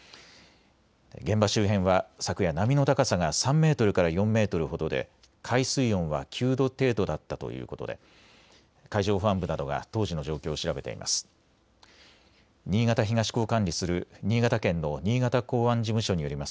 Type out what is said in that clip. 現場周辺は昨夜波の高さが３メートルから４メートルほどで海水温は９度程度だったということで海上保安部などが当時の状況を調べています。